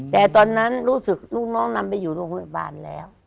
แต่ตอนนั้นรู้สึกลูกน้องนำไปอยู่โรงพยาบาลแล้ว